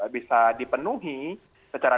bisa dipenuhi secara